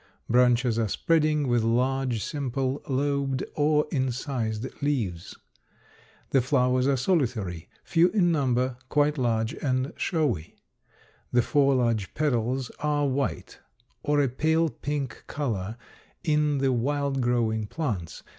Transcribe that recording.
Branches are spreading, with large, simple, lobed or incised leaves. The flowers are solitary, few in number, quite large and showy. The four large petals are white or a pale pink color in the wild growing plants.